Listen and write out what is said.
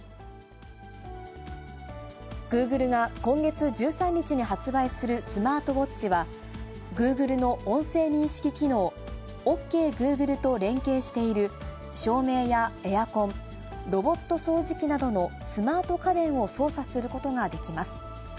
グーグルが今月１３日に発売するスマートウォッチは、グーグルの音声認識機能、オッケーグーグルと連携している照明やエアコン、ロボット掃除機などのスマート家電を操作することができます。